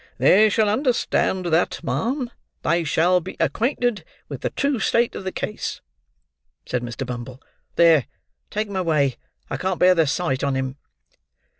"They shall understand that, ma'am; they shall be acquainted with the true state of the case," said Mr. Bumble. "There; take him away, I can't bear the sight on him."